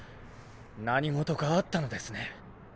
何事かあったのですね。